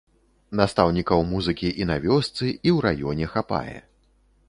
Настаўнікаў музыкі і на вёсцы, і ў раёне хапае.